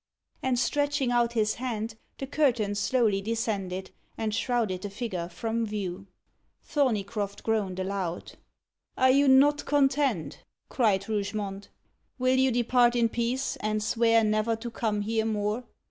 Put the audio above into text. And, stretching out his hand, the curtains slowly descended, and shrouded the figure from view. Thorneycroft groaned aloud. "Are you not content?" cried Rougemont. "Will you depart in peace, and swear never to come here more?